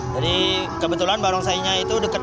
jadi kebetulan barongsanya itu deket